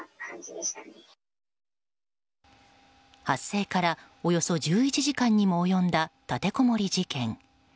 発生からおよそ１１時間にも及んだ立てこもり事件。